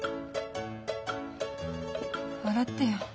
笑ってよ。